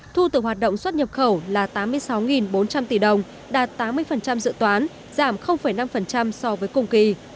thu từ hoạt động xuất nhập khẩu là tám mươi sáu bốn trăm linh tỷ đồng đạt tám mươi dự toán giảm năm so với cùng kỳ